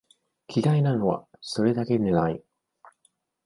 奇怪なのは、それだけでない